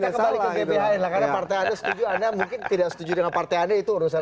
saya kembali ke gbhn lah karena partai anda setuju anda mungkin tidak setuju dengan partai anda itu urusan